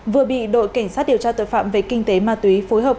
vừa bị đội cảnh sát điều tra tội phạm về kinh tế ma túy phối hợp